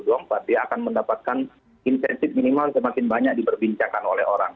dia akan mendapatkan insentif minimal semakin banyak diperbincangkan oleh orang